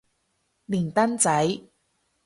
連登仔